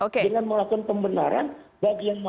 dengan melakukan pembenaran bagian